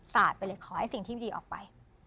สาดไปเลยขอให้สิ่งที่ดีออกไป